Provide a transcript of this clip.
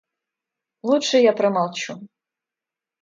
Лучше я промолчу.